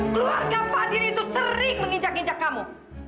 keluarga fadil itu sering menginjak injak kamu